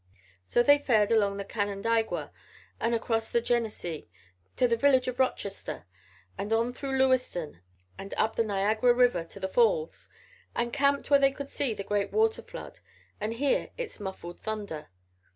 So they fared along through Canandaigua and across the Genesee to the village of Rochester and on through Lewiston and up the Niagara River to the Falls, and camped where they could see the great water flood and hear its muffled thunder.